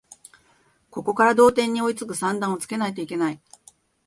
ここから同点に追いつく算段をつけないといけない